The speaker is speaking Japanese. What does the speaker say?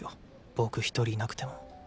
僕一人いなくても。